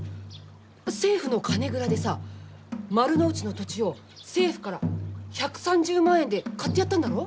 政府の金蔵でさ丸の内の土地を政府から１３０万円で買ってやったんだろう？